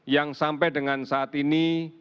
yang sampai dengan saat ini